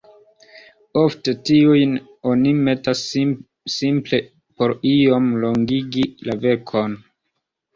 Ofte tiujn oni metas simple por iom longigi la verkon.